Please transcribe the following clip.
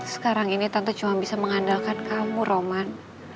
sekarang ini tante cuma bisa mengandalkan kamu roman